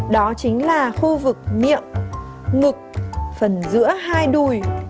đó chính là khu vực miệng ngực phần giữa hai đùi